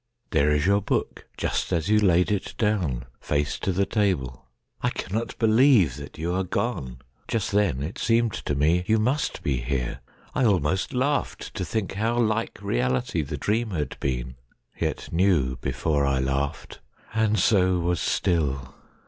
There is your book, just as you laid it down, Face to the table,—I cannot believeThat you are gone!—Just then it seemed to meYou must be here. I almost laughed to thinkHow like reality the dream had been; Yet knew before I laughed, and so was still.